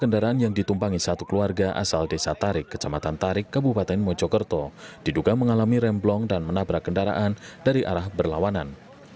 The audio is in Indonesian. kecelakaan ini diduga karena kendaraan korban mengalami remblong dan juga menabrak kendaraan dari arah berlawanan